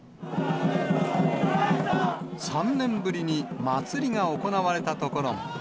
３年ぶりに祭りが行われた所も。